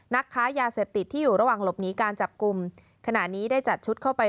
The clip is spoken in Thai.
นักค้ายาเสพติดที่อยู่ระหว่างหลบหนีการจับกลุ่มขณะนี้ได้จัดชุดเข้าไป